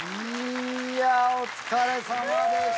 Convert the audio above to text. いやお疲れさまでした。